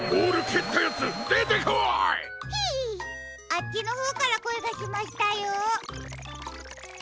あっちのほうからこえがしましたよ。